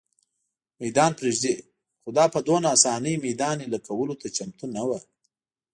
مېدان پرېږدي، خو دا په دومره آسانۍ مېدان اېله کولو ته چمتو نه وه.